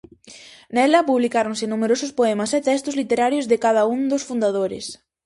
Nela publicáronse numerosos poemas e textos literarios de cada un dos fundadores.